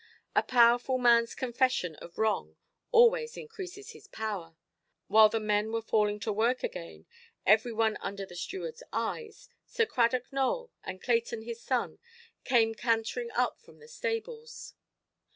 A powerful manʼs confession of wrong always increases his power. While the men were falling to work again, every one under the stewardʼs eyes, Sir Cradock Nowell and Clayton his son came cantering up from the stables.